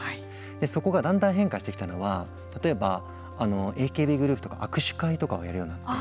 そこがだんだん変化してきたのは例えばＡＫＢグループとか近くなってきた。